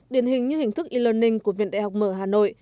điển hình như hình thức e learning của viện đại học mở hà nội